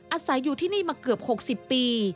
อาศัยอยู่ที่นี่มาเกือบ๖๐ปี